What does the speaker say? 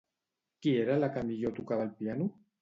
Qui era la que millor tocava el piano?